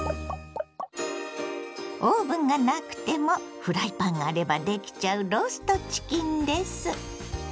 オーブンがなくてもフライパンがあればできちゃうローストチキンです。